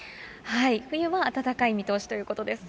冬も暖かい見通しということです。